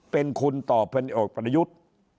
เป็นคุณต่อพลเอกประยุทธ์